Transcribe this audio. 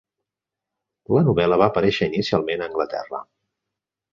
La novel·la va aparéixer inicialment a Anglaterra.